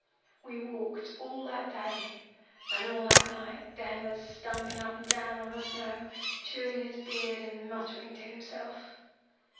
"'We walked all that day, and all that night Dan was stumping up and down on the snow, chewing his beard and muttering to himself.